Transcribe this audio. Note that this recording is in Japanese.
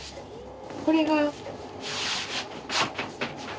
これが。